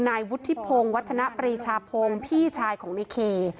นายวุฒิพงศ์วัฒนปรีชาพงศ์พี่ชายของในเค